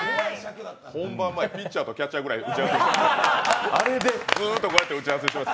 本番前、ピッチャーとキャッチャーくらい打ち合わせさせていただきました。